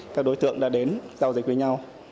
các đối tượng đã đến giao dịch với nhau